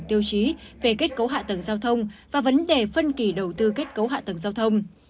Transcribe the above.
tiêu chí về kết cấu hạ tầng giao thông và vấn đề phân kỳ đầu tư kết cấu hạ tầng giao thông